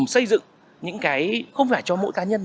xây dựng những cái không phải cho mỗi cá nhân